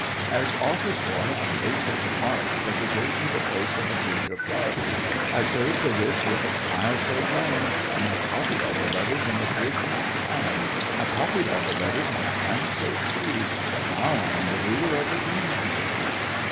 As office boy I made such a mark That they gave me the post of a junior clerk. I served the writs with a smile so bland, And I copied all the letters in a big round hand— I copied all the letters in a hand so free, That now I am the Ruler of the Queen's Navee!